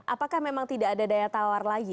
apakah memang tidak ada daya tawar lagi